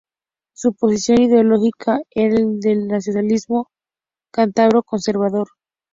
Su posición ideológica era la del nacionalismo cántabro conservador.